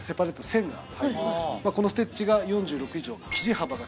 このステッチが４６以上。